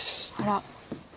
あら。